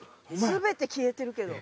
全て消えてるけど。